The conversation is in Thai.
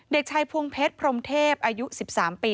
เด็กชายพวงเพชรพรมเทพอายุ๑๓ปี